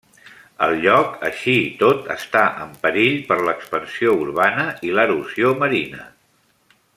El lloc, així i tot, està en perill per l'expansió urbana i l'erosió marina.